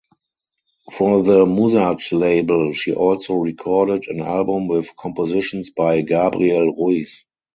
For the Musart label she also recorded an album with compositions by Gabriel Ruiz.